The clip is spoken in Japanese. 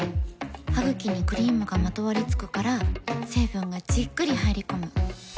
ハグキにクリームがまとわりつくから成分がじっくり入り込む。